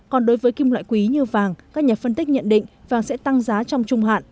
còn đối với kim loại quý như vàng các nhà phân tích nhận định vàng sẽ tăng giá trong trung hạn